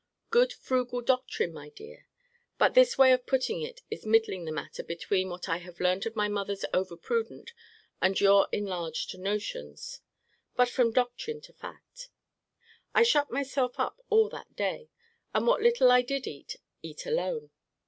Good frugal doctrine, my dear! But this way of putting it is middling the matter between what I have learnt of my mother's over prudent and your enlarged notions. But from doctrine to fact I shut myself up all that day; and what little I did eat, eat alone.